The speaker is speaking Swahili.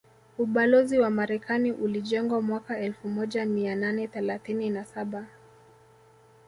Ubalozi wa Marekani ulijengwa mwaka elfu moja mia nane thelathine na saba